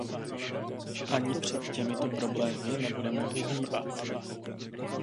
Ani před těmito problémy nebudeme uhýbat.